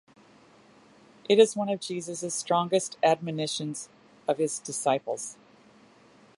It is one of Jesus' strongest admonitions of his disciples.